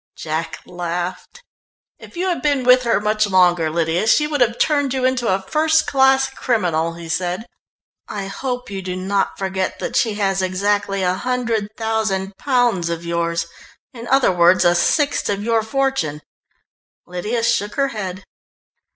Jack laughed. "If you had been with her much longer, Lydia, she would have turned you into a first class criminal," he said. "I hope you do not forget that she has exactly a hundred thousand pounds of yours in other words, a sixth of your fortune." Lydia shook her head.